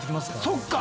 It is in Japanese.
そっか。